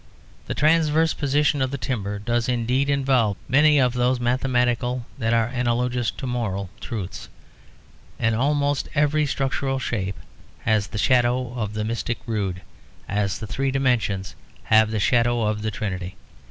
The transverse position of the timber does indeed involve many of those mathematical that are analogous to moral truths and almost every structural shape has the shadow of the mystic rood, as the three dimensions have a shadow of the Trinity.